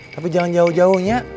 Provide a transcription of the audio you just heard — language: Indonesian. tapi jangan jauh jauhnya